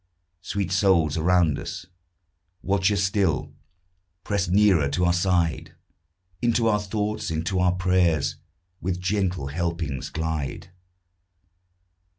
Sweet souls around us! watch us still, Press nearer to our side, Into our thoughts, into our prayers, With gentle helpings glide.